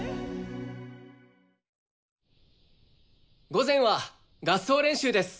午前は合奏練習です。